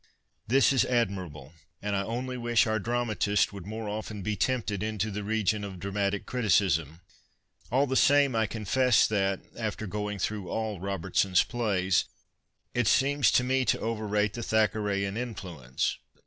This is admirable, and I only wish our dramatists would more often be tempted into the region of dramatic criticism. ^\11 the same I confess that (after going through all Robertson's plays) it seems to me to overrate the Thackerayan influence.